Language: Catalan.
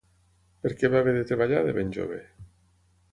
Per què va haver de treballar de ben jove?